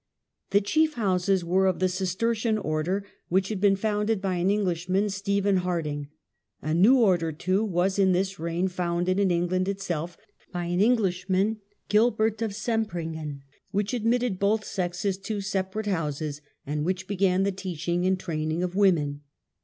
The chief houses were of the Cistercian order, which had been founded by an Englishman, Stephen Harding. A new order, too, was in this reign founded in England itself by an Englishman, Gilbert of Sempringham, which admitted both sexes to separate houses, and which began the teach ing and training of women.